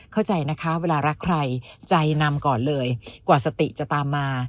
เข้าใจนะคะเวลารักใครใจนำก่อนเลยกว่าสติจะตามมา